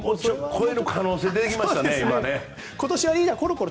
超える可能性が出てきましたね。